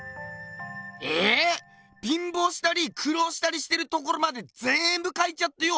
ええ⁉びんぼうしたりくろうしたりしてるところまでぜんぶ描いちゃってよ